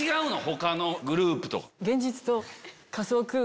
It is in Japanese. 他のグループと。